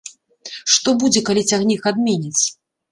Што будзе, калі цягнік адменяць?